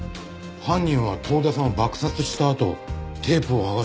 犯人は遠田さんを爆殺したあとテープを剥がして逃げた。